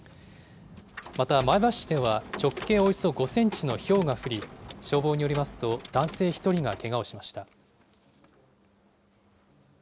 また前橋市では、直径およそ５センチのひょうが降り、消防によりますと、男性１人がけがをしました。